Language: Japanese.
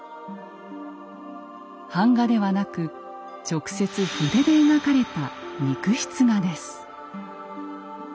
版画ではなく直接筆で描かれた肉筆画です。